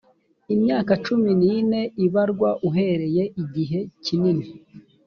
imyaka cumi n ine ibarwa uhereye igihe kinini